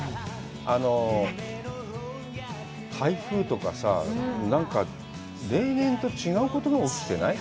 あの台風とかさあ、なんか例年と違うことが起きてない？